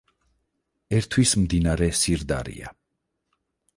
ერთვის მდინარე სირდარია.